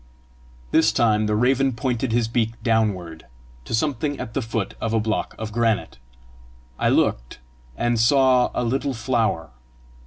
This time the raven pointed his beak downward to something at the foot of a block of granite. I looked, and saw a little flower.